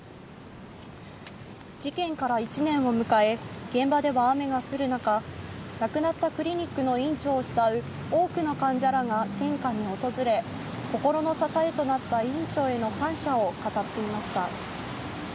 事件から１年を迎え、現場では雨が降る中、亡くなったクリニックの院長を慕う多くの患者らが献花に訪れ、心の支えとなった院長への感謝を語っていました。